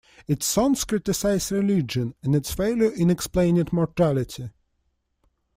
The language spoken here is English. Its songs criticise religion and its failure in explaining mortality.